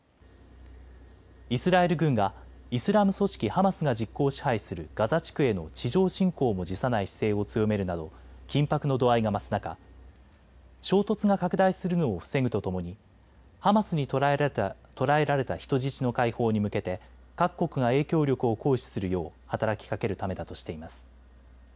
イスラエル軍がイスラム組織ハマスが実効支配するガザ地区への地上侵攻も辞さない姿勢を強めるなど緊迫の度合いが増す中、衝突が拡大するのを防ぐとともにハマスに捕らえられた人質の解放に向けて各国が影響力を行使するよう働きかけるためだとしています。